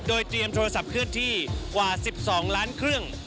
โดยเตรียมโทรศัพท์เคลื่อนที่กว่า๑๒ล้านเครื่อง